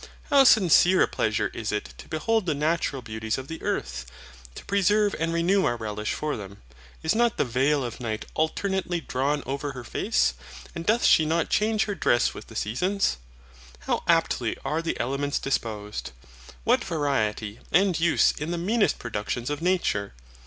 How sincere a pleasure is it to behold the natural beauties of the earth! To preserve and renew our relish for them, is not the veil of night alternately drawn over her face, and doth she not change her dress with the seasons? How aptly are the elements disposed! What variety and use in the meanest productions of nature!